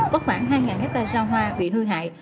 có khoảng hai hectare rau hoa bị hư hại